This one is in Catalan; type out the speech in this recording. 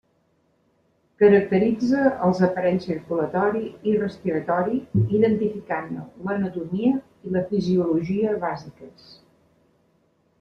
Caracteritza els aparells circulatori i respiratori identificant-ne l'anatomia i la fisiologia bàsiques.